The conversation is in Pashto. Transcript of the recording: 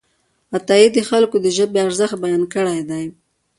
عطايي د خلکو د ژبې ارزښت بیان کړی دی.